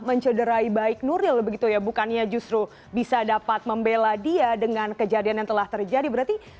mencederai baik nuril begitu ya bukannya justru bisa dapat membela dia dengan kejadian yang telah terjadi berarti